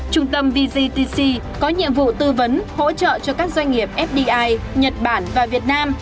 trung tâm vgtc có nhiệm vụ tư vấn hỗ trợ cho các doanh nghiệp fdi nhật bản và việt nam